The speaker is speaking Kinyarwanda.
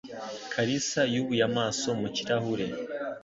Kalisa yubuye amaso mu kirahure